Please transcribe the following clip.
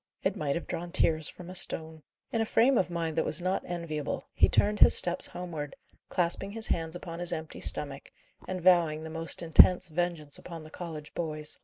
It might have drawn tears from a stone. In a frame of mind that was not enviable, he turned his steps homeward, clasping his hands upon his empty stomach, and vowing the most intense vengeance upon the college boys.